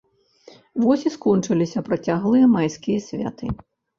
Вось і скончыліся працяглыя майскія святы.